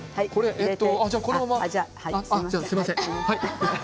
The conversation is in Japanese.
ああ、すみません。